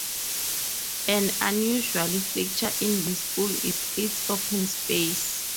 An unusual feature in this school is its open space.